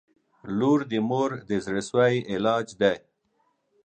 • لور د مور د زړسوي علاج دی.